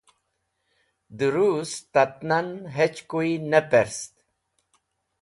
dẽ Rũs tatnan hech kuy ne perst.